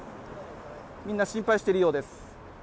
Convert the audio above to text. みんな心配しているようです。